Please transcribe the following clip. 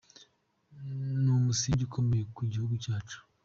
Ni umusingi ukomeye ku gihugu cyacu.”